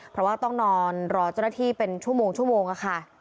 เพราะว่าต้องนอนรอเจ้าหน้าที่เป็นชั่วโมงชั่วโมงค่ะ